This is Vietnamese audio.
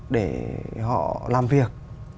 để họ làm việc